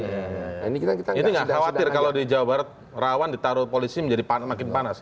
ini nggak khawatir kalau di jawa barat rawan ditaruh polisi menjadi makin panas